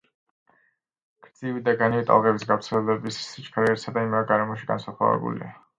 გრძივი და განივი ტალღების გავრცელების სიჩქარე ერთსა და იმავე გარემოში განსხვავებულია.